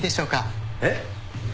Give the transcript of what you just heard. えっ？